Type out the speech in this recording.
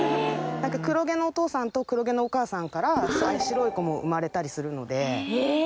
黒毛のお父さんと黒毛のお母さんからああいう白い子も生まれたりするので。